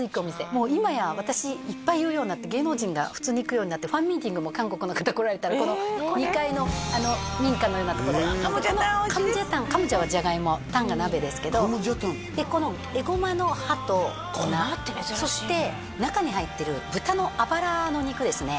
もう今や私いっぱい言うようになって芸能人が普通に行くようになってファンミーティングも韓国の方来られたらこの２階の民家のようなとこでこのカムジャタンカムジャはじゃがいもタンが鍋ですけもこのエゴマの葉と粉そして中に入ってる豚のあばらの肉ですね